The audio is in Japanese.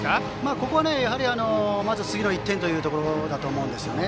ここはまず次の１点というところだと思うんですね。